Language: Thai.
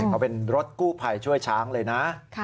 เขาเป็นรถกู้ภัยช่วยช้างเลยนะ